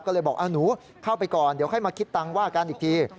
ก็เลยบอกหนูเข้าไปก่อนเดี๋ยวค่อยมาคิดตังค์ว่ากันอีกที